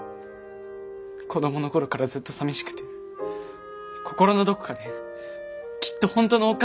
子どものころからずっとさみしくて心のどこかできっと本当のおっか